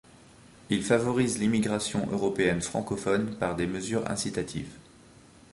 Il favorise l’immigration européenne francophone par des mesures incitatives.